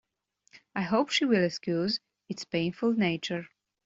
I hope she will excuse its painful nature.